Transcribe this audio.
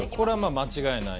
間違いない？